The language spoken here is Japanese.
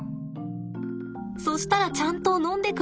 そしたらちゃんと飲んでくれるんです。